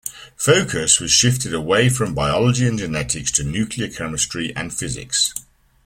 Focus was shifted away from biology and genetics to nuclear chemistry and physics.